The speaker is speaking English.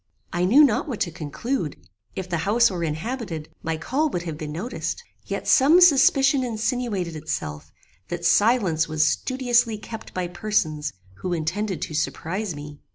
"I knew not what to conclude. If the house were inhabited, my call would have been noticed; yet some suspicion insinuated itself that silence was studiously kept by persons who intended to surprize me.